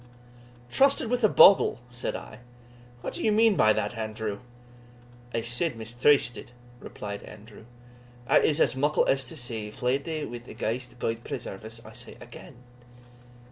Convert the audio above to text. "Trysted with a bogle!" said I; "what do you mean by that, Andrew?" "I said mistrysted," replied Andrew; "that is as muckle as to say, fley'd wi' a ghaist Gude preserve us, I say again!"